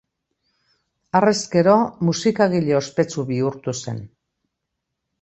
Harrezkero musikagile ospetsu bihurtu zen.